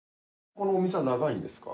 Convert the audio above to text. このお店は長いんですか？